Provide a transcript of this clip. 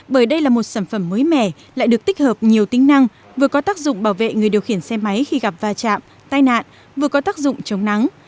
bởi đây là một sản phẩm mới mẻ lại được tích hợp nhiều tính năng vừa có tác dụng bảo vệ người điều khiển xe máy khi gặp va chạm tai nạn vừa có tác dụng chống nắng